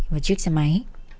và chiếc xe máy